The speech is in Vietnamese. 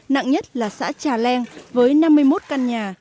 nặng nhất là xã trà leng với năm mươi một căn nhà